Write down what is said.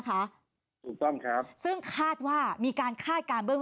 ถูกต้อง